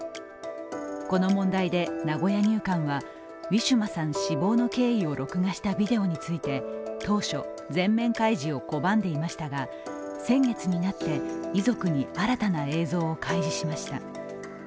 この問題で名古屋入管はウィシュマさん死亡の経緯を録画したビデオについて、当初、全面開示を拒んでいましたが先月になって遺族に新たな映像を開示しました。